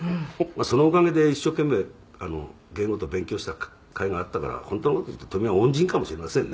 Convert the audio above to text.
「そのおかげで一生懸命芸事勉強したかいがあったから本当の事を言うと富美男は恩人かもしれませんね」